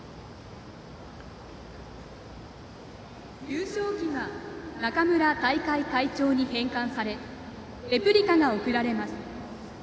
優勝旗が中村大会会長に返還されレプリカが贈られます。